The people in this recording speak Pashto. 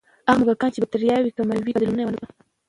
هغه موږکان چې بکتریاوې یې کمې وې، بدلون ونه ښود.